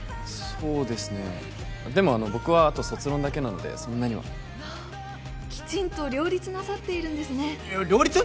そうですねでも僕はあと卒論だけなのでそんなにはきちんと両立なさっているんですね両立？